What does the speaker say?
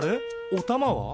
おたまは？